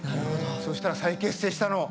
そしたら再結成したの！